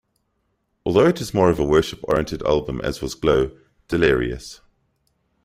Although it is more of a worship-oriented album as was "Glo", Delirious?